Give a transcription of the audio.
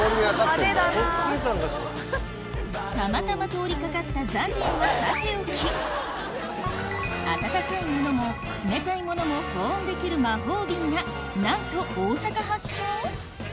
たまたま通り掛かったＺＡＺＹはさておき温かいものも冷たいものも保温できる魔法瓶がなんと大阪発祥？